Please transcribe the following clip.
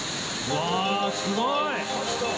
うわすごい！